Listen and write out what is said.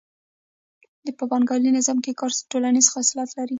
په پانګوالي نظام کې کار ټولنیز خصلت لري